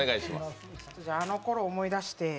あのころを思い出して。